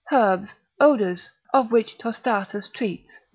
herbs, odours: of which Tostatus treats, 2.